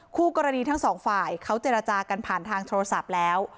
คู่กรณีทั้งสองฝ่ายเขาเจรจากันผ่านทางโทรศัพท์แล้ว